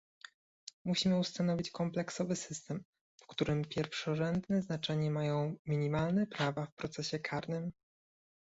Musimy ustanowić kompleksowy system, w którym pierwszorzędne znaczenie mają minimalne prawa w procesie karnym